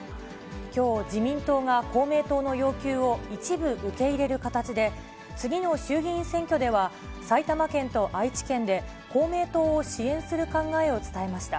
きょう、自民党が公明党の要求を一部受け入れる形で、次の衆議院選挙では埼玉県と愛知県で公明党を支援する考えを伝えました。